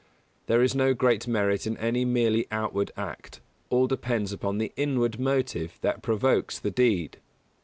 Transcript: There is no great merit in any merely outward act; all depends upon the inward motive that provokes the deed.